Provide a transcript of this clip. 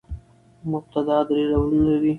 مبتداء درې ډولونه لري.